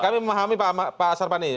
kami memahami pak sarwani